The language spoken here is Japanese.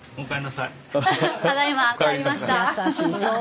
ただいま帰りました。